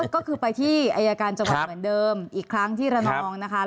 ก็คือไปที่อายการจังหวัดเหมือนเดิมอีกครั้งที่ระนองนะคะ